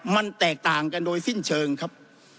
มันแตกต่างกันโดยสิ้นเชิงครับ